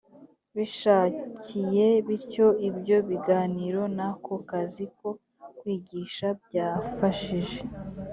bishakiye bityo ibyo biganiro n ako kazi ko kwigisha byafashije